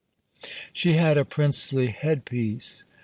She had a princely head piece!